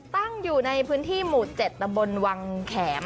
ตั้งอยู่ในพื้นที่หมู่๗ตำบลวังแข็ม